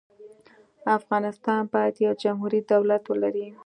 افغانستان باید یو جمهوري دولت ولري.